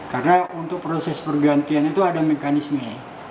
karena untuk proses pergantian itu ada mekanisme